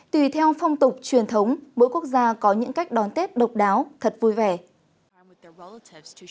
tùy theo phong tục truyền thống mỗi quốc gia có những cách đón tết độc đáo thật vui vẻ